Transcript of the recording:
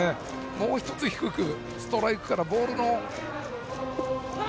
もう１つ、低くストライクからボールの。